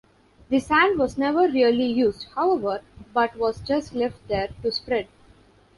The sand was never really used, however, but was just left there to spread.